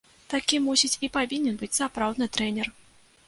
Такім, мусіць, і павінен быць сапраўдны трэнер!!!